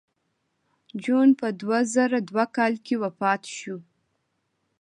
جون په دوه زره دوه کال کې وفات شو